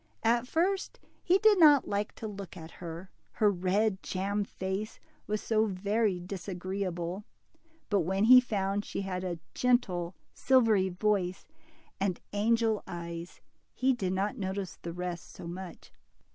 At first he did not like to look at her, her red jam face was so very disagreeable ; but when he found she had a gentle silvery voice and angel's eyes, he did not notice the rest so much.